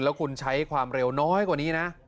แล้วคุณใช้ความเร็วน้อยกว่านี้นะ